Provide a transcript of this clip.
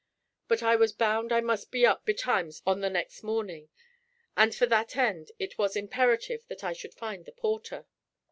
But I was bound I must be up betimes on the next morning, and for that end it was imperative that I should find the porter.